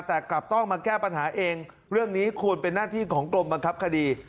แต่กลับต้องมาแก้ปัญหาเองเรื่องนี้ควรเป็นหน้าที่ของกรมบังคับคดี